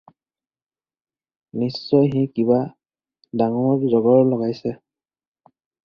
নিশ্চয় সি কিবা ডাঙৰ জগৰ লগাইছে।